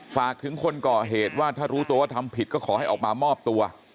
ฝากถึงคนก่อเหตุว่าถ้ารู้ตัวว่าทำผิดก็ขอให้ออกมามอบตัว